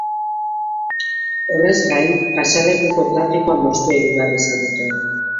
Horrez gain, pasealekuko trafikoa moztu egin behar izan dute.